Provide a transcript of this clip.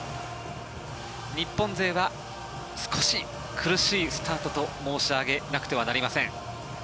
日本勢は少し苦しいスタートと申し上げなくてはなりません。